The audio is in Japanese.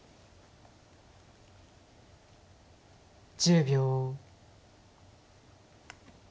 １０秒。